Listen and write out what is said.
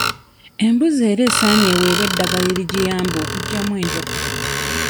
Embuzi era esaanye eweebwe eddagala erigiyamba okuggyamu enjoka.